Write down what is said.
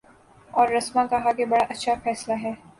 اور رسما کہا کہ بڑا اچھا فیصلہ ہے۔